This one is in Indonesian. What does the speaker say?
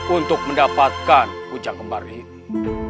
untuk mendapatkan ujang kembar ini